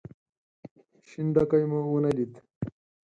شين ډکی مو ونه ليد.